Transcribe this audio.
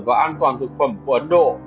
và an toàn thực phẩm của ấn độ